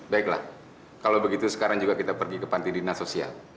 baiklah kalau begitu sekarang juga kita pergi ke panti dinas sosial